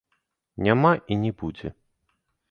Няма і не будзе.